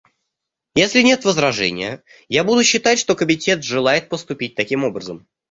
Если нет возражения, я буду считать, что Комитет желает поступить таким образом.